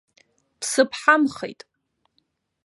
Бсыԥҳамхеит.